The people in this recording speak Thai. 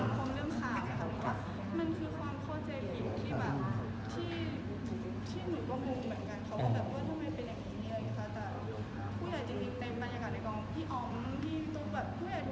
มันคือความข้อเจติกลีดที่หนูก็มุมเหมือนกัน